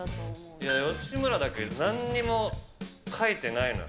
いや、吉村だけなんにも描いてないのよ。